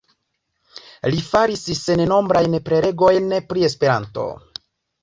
Li faris sennombrajn prelegojn pri Esperanto.